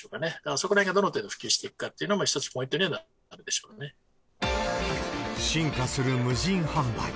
そこらへんがどの程度普及していくかが一つのポイントになるでし進化する無人販売。